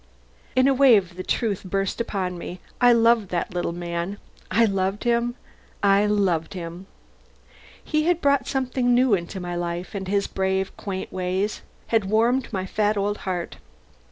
In a wave the truth burst upon me. I loved that little man: I loved him, I loved him. He had brought something new into my life, and his brave, quaint ways had warmed my fat old heart.